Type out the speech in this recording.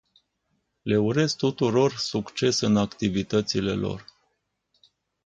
Le urez tuturor succes în activitățile lor.